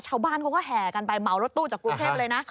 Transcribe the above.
ชาวบ้านเขาก็แห่กันไปเหมารถตู้จากกรุงเทพเลยนะ